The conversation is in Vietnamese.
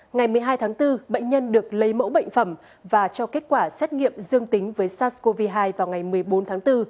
ngày một mươi hai tháng bốn bệnh nhân được lấy mẫu bệnh phẩm và cho kết quả xét nghiệm dương tính với sars cov hai vào ngày một mươi bốn tháng bốn